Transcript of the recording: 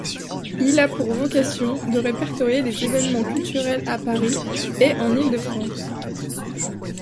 Il a pour vocation de répertorier les événements culturels à Paris et en Île-de-France.